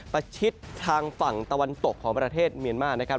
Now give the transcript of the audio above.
ประชิดทางฝั่งตะวันตกของประเทศเมียนมานะครับ